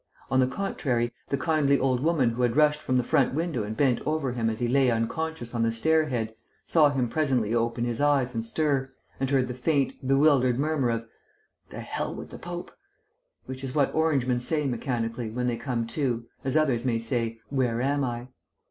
On the contrary, the kindly old woman who had rushed from the front window and bent over him as he lay unconscious on the stair head, saw him presently open his eyes and stir, and heard the faint, bewildered murmur of "to hell with the Pope," which is what Orangemen say mechanically when they come to, as others may say, "Where am I?"